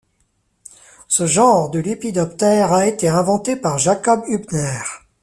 Ce genre de lépidoptères a été inventé par Jakob Hübner.